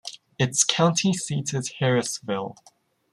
Its county seat is Harrisville.